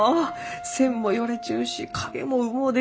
線もよれちゅうし影もうもうできん！